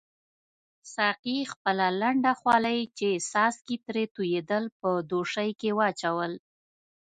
ساقي خپله لنده خولۍ چې څاڅکي ترې توییدل په دوشۍ کې واچول.